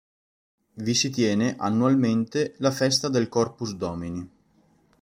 Vi si tiene, annualmente, la Festa del Corpus Domini.